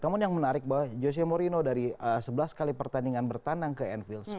namun yang menarik bahwa jose mourinho dari sebelas kali pertandingan bertandang ke anfield